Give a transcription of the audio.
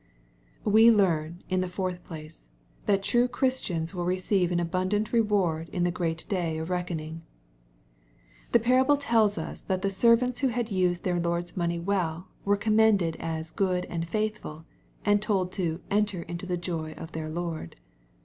We learn, in the fourth place, Omt true Christians will receive an abundant reward in the great day of reckoning. The parable tells us that the servants who had used their Lord's money well, were commended as " good and faith ful," and told to " enter into the joy of their Lord."